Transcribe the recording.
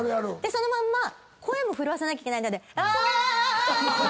そのまんま声も震わせなきゃいけないのでア！